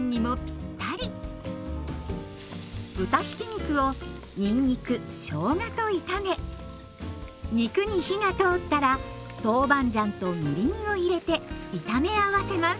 豚ひき肉をにんにくしょうがと炒め肉に火が通ったら豆板醤とみりんを入れて炒め合わせます。